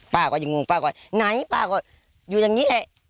ป้าก็ยังงงป้าก็ไหนป้าก็อยู่อย่างนี้แหละ